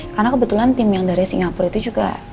karena kebetulan tim yang dari singapura itu juga